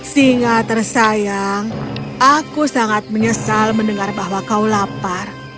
singa tersayang aku sangat menyesal mendengar bahwa kau lapar